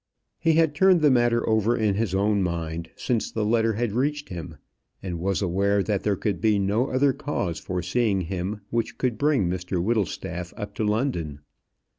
He had turned the matter over in his own mind since the letter had reached him, and was aware that there could be no other cause for seeing him which could bring Mr Whittlestaff up to London.